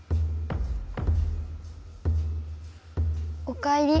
おかえり。